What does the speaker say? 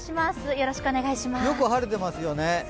よく晴れてますよね。